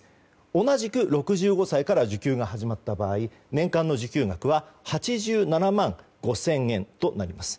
同じく６５歳から受給が始まった場合年間の受給額は８７万５０００円となります。